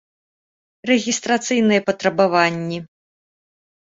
Рэгiстрацыйныя патрабаваннi